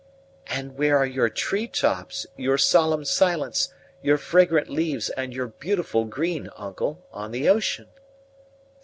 "And where are your tree tops, your solemn silence, your fragrant leaves, and your beautiful green, uncle, on the ocean?"